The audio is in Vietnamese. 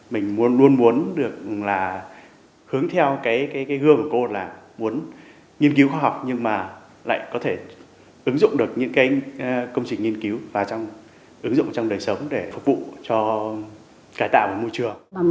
mình luôn muốn được hướng theo cái gương của cô là muốn nghiên cứu khoa học nhưng mà lại có thể ứng dụng được những công trình nghiên cứu vào trong đời sống để phục vụ cho cải tạo và môi trường